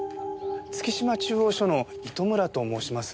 月島中央署の糸村と申します。